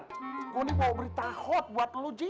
gue ini mau beritahot buat lo ji